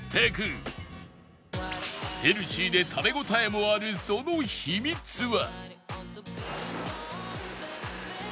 ヘルシーで食べ応えもあるその秘密は